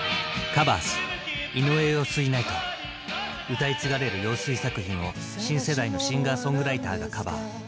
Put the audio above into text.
歌い継がれる陽水作品を新世代のシンガーソングライターがカバー。